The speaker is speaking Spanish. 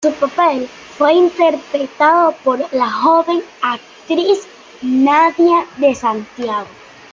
Su papel fue interpretado por la joven actriz Nadia de Santiago.